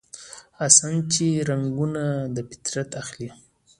حسن چې رنګونه دفطرت اخلي